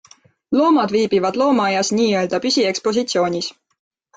Loomad viibivad loomaaias n-ö püsiekspositsioonis.